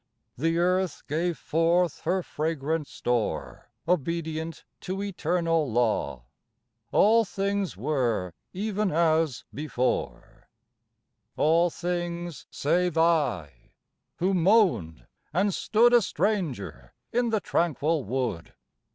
The earth gave forth her fragrant store; Obedient to Eternal law, All things were even as before, All things save I, who moaned, and stood A stranger, in the tranquil wood.